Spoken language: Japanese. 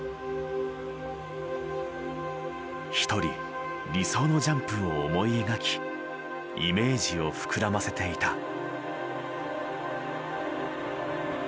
一人理想のジャンプを思い描きイメージを膨らませていた。